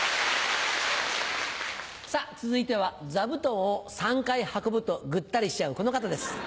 さぁ続いては座布団を３回運ぶとグッタリしちゃうこの方です。